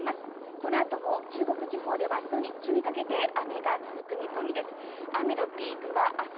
このあとも中国地方ではあすの日中にかけて雨が続く見込みです。